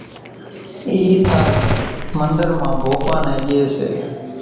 اِي ٿار منۮر مان ڀوپا نين ڄي سي